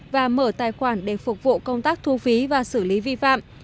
và mở tài khoản để phục vụ công tác thu phí và xử lý vi phạm